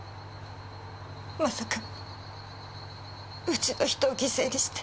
まさかうちの人を犠牲にして。